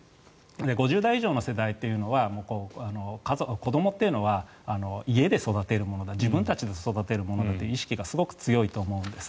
５０代以上の世代というのは子どもというのは家で育てるものだ自分たちで育てるものだという意識がすごく強いと思うんです。